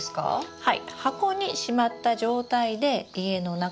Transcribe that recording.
はい。